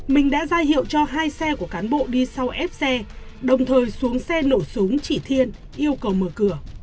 mình đã ra hiệu cho hai xe của cán bộ đi sau ép xe đồng thời xuống xe nổ súng chỉ thiên yêu cầu mở cửa